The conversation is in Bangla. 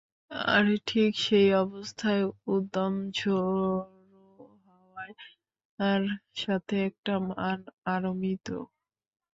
আর ঠিক সেই অবস্থায় উদ্দাম ঝোড়ো হাওয়ার সাথে একটা মান আর মৃদু।